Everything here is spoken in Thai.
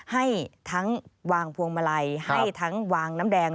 ให้ทั้งวางพวงมาลัยให้ทั้งวางน้ำแดง